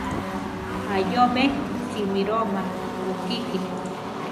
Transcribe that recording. Ayóbe simíroma ukiki.